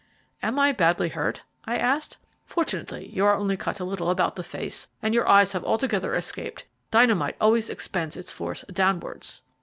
"Am I badly hurt?" I asked. "Fortunately you are only cut a little about the face, and your eyes have altogether escaped. Dynamite always expends its force downwards."